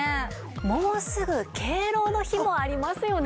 もうすぐ敬老の日もありますよね。